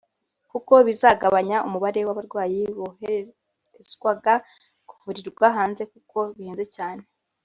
kuko bizagabanya umubare w’abarwayi boherezwaga kuvurirwa hanze kuko bihenze cyane